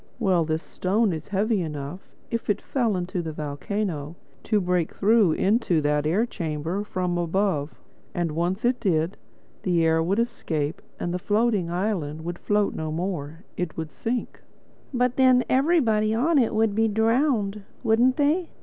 "Well, this stone is heavy enough, if it fell into the volcano, to break through into that air chamber from above. And once it did, the air would escape and the floating island would float no more. It would sink." "But then everybody on it would be drowned, wouldn't they?"